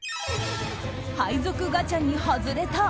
配属ガチャに外れた。